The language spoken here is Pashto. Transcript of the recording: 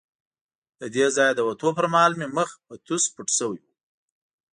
له دې ځایه د وتو پر مهال مې مخ په توس پټ شوی وو.